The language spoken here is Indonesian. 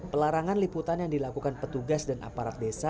pelarangan liputan yang dilakukan petugas dan aparat desa